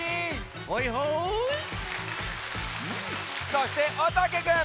そしておたけくん！